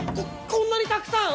ここんなにたくさん！？